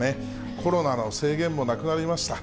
コロナの制限もなくなりました。